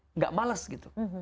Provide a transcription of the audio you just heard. enggak malas untuk menahan laparmu